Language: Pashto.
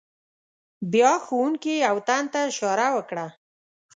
بیا ښوونکي یو تن ته اشاره وکړه.